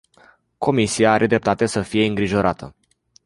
Comisia are dreptate să fie îngrijorată.